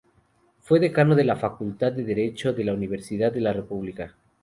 Fue Decano de la Facultad de Derecho de la Universidad de la República.